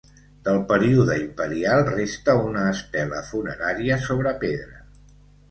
Del període imperial resta una estela funerària sobre pedra.